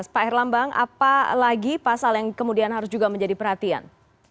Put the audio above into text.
pak herlambang apa lagi pasal yang kemudian harus juga menjadi perhatian